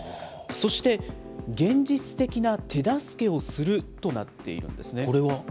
そして、現実的な手助けをするとなっているんですね。